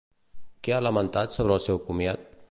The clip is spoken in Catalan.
Què ha lamentat sobre el seu comiat?